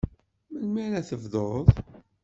Melmi ara tebduḍ?